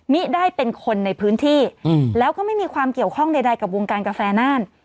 ไม่ได้เป็นคนในพื้นที่แล้วก็ไม่มีความเกี่ยวข้องใดกับวงการกาแฟน่าน